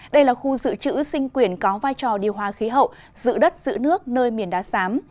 đây là khu dự trữ sinh quyển có vai trò điều hòa khí hậu giữ đất giữ nước nơi miền đá sám